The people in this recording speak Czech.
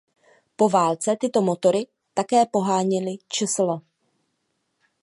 Po válce tyto motory také poháněly čsl.